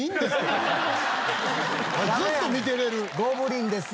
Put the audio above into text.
ずっと見てられる。